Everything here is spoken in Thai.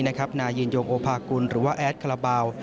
นายยืนยงโอภากุลหรือว่าแอดคาราบาล